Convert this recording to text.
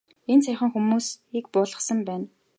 Энд саяхан хүмүүсийг булсан байна.